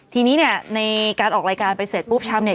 ทีนี้ในการออกรายการไปเสร็จปุ๊บช้ำ